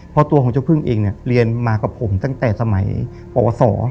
เพราะตัวของเจ้าพึ่งเองเนี่ยเรียนมากับผมตั้งแต่สมัยปวสอ